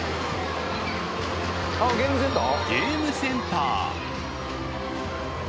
［ゲームセンター］